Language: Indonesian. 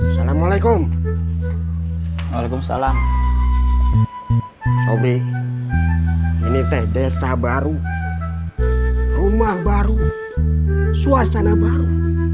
assalamualaikum waalaikumsalam ini teh desa baru rumah baru suasana baru